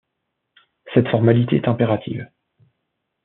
Cette formalité est impérative.